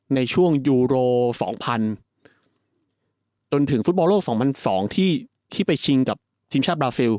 ในช่วงยูโร๒๐๐จนถึงฟุตบอลโลก๒๐๐๒ที่ไปชิงกับทีมชาติบราซิล